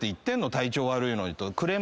体調悪いのに」と。